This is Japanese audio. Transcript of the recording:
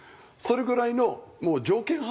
それぐらいのもう条件